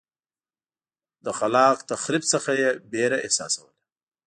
له خلاق تخریب څخه یې وېره احساسوله.